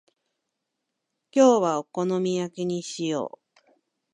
今日はお好み焼きにしよう。